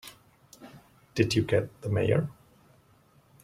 Did you get the Mayor?